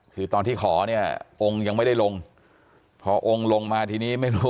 คือตอนที่ขอเนี่ยองค์ยังไม่ได้ลงพอองค์ลงมาทีนี้ไม่รู้